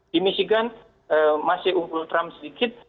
di michigan masih unggul trump sedikit